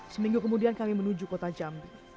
seminggu kemudian kami menuju kota jambi